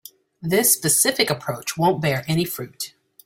This specific approach won't bear any fruit.